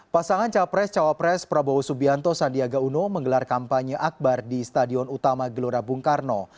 pasangan capres cawapres prabowo subianto sandiaga uno menggelar kampanye akbar di stadion utama gelora bung karno